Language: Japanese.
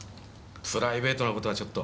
プライベートな事はちょっと。